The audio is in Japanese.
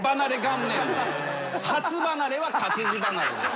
初離れは活字離れです。